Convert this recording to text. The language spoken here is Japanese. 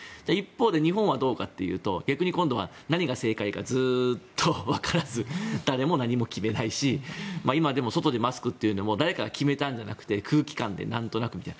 日本の場合はどうかというと何が正解かずっとわからず誰も何も決めないし今でも外でマスクをするというのは誰かが決めたんじゃなくて空気感でなんとなくみたいな。